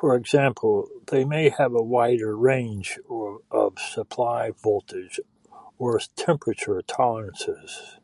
For example, they may have a wider range of supply voltage or temperature tolerances.